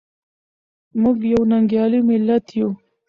موږ یو ننګیالی ملت یو.